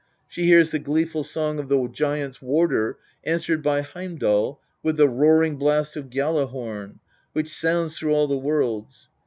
She hears the gleeful song of the giants' warder answered by Heimdal with the roaring blast of Gjalla horn, which sounds through all the worlds.